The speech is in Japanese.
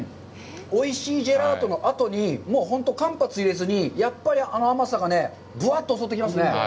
おいしいジェラートの後に、本当、間髪入れずに、やっぱりあの甘さがぶわっと襲ってきますね。